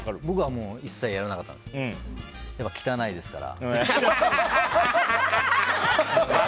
僕は一切やらなかったです。